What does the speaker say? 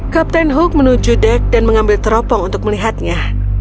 kapten hook menuju dek dan mengambil teropong untuk melihatnya